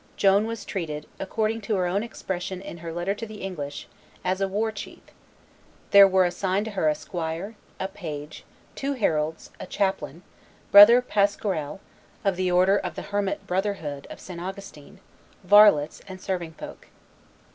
Joan was treated, according to her own expression in her letter to the English, "as a war chief;" there were assigned to her a squire, a page, two heralds, a chaplain, Brother Pasquerel, of the order of the hermit brotherhood of St. Augustin, varlets, and serving folks.